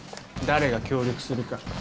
誰が協力するか。